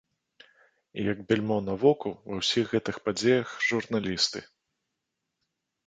І як бяльмо на воку ва ўсіх гэтых падзеях журналісты.